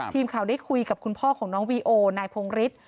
ทีมข่าวได้คุยกับคุณพ่อของน้องวีโอนายพงฤทธิ์